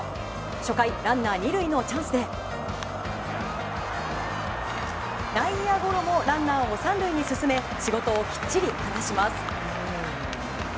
初回、ランナー２塁のチャンスで内野ゴロもランナーを３塁に進め仕事をきっちり果たします。